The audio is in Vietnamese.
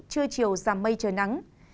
chưa chiều giảm mây trời nắng